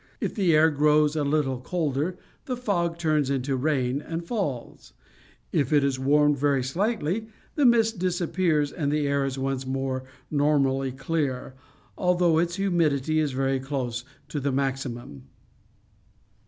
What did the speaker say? If the air grows a little colder the fog turns into rain and falls; if it is warmed very slightly the mist disappears and the air is once more normally clear, although its humidity is very close to the maximum.